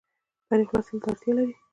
تاریخ لوستلو ته اړتیا لري